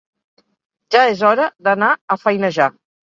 Ja és hora d'anar a feinejar